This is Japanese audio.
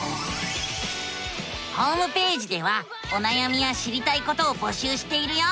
ホームページではおなやみや知りたいことをぼしゅうしているよ。